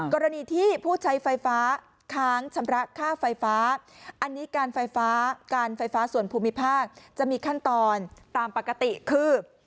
กรณีที่ผู้ใช้ไฟฟ้าค้างชำระค่าไฟฟ้าอันนี้การไฟฟ้าการไฟฟ้าส่วนภูมิภาคจะมีขั้นตอนตามปกติคือ